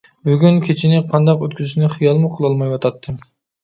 بۈگۈن كېچىنى قانداق ئۆتكۈزۈشنى خىيالمۇ قىلالمايۋاتاتتىم.